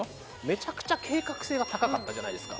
めちゃくちゃ計画性が高かったじゃないですか